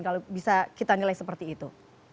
kalau bisa kita nilai seperti itu